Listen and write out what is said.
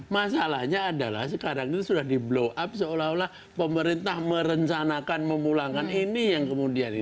masalahnya adalah sekarang itu sudah di blow up seolah olah pemerintah merencanakan memulangkan ini yang kemudian